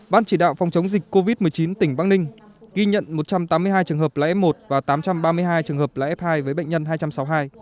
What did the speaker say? ban chỉ đạo phòng chống dịch covid một mươi chín tỉnh bắc ninh ghi nhận một trăm tám mươi hai trường hợp là f một và tám trăm ba mươi hai trường hợp là f hai với bệnh nhân hai trăm sáu mươi hai